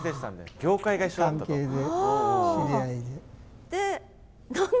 業界が一緒だったと。